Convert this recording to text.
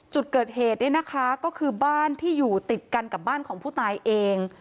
จุดเกิดเหตุเนี่ยนะคะก็คือบ้านที่อยู่ติดกันกับบ้านของผู้ตายเอง